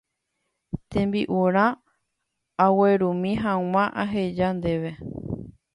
tembi'urã aguerumi hag̃ua aheja ndéve